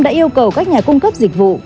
đã yêu cầu các nhà cung cấp dịch vụ